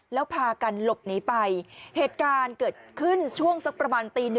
แล้วพากันหลบหนีไปเหตุการณ์เกิดขึ้นช่วงสักประมาณตีหนึ่ง